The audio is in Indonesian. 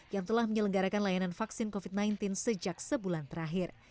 yang telah menyelenggarakan layanan vaksin covid sembilan belas sejak sebulan terakhir